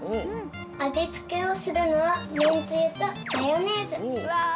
あじつけをするのはめんつゆとマヨネーズ。